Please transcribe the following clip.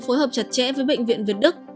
phối hợp chặt chẽ với bệnh viện việt đức